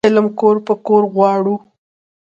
علم کور په کور غواړو